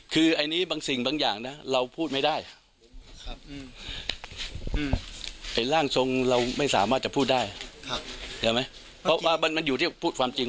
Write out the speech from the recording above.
คืออันนี้เราพูดไม่ได้นะอันนี้มันก็ดูเอาเอง